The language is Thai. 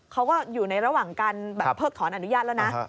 เขาก็อยู่ในระหว่างการแบบเพิกถอนอนุญาตแล้วนะ